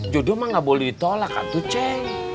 jodoh mah gak boleh ditolak kan tuh ceng